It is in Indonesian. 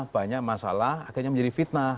banyak masalah akhirnya menjadi fitnah